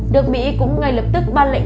được mỹ cũng ngay lập tức ban lệnh